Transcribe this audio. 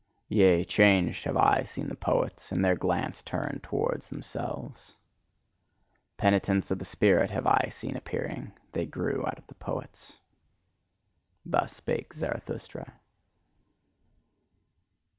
Yea, changed have I seen the poets, and their glance turned towards themselves. Penitents of the spirit have I seen appearing; they grew out of the poets. Thus spake Zarathustra.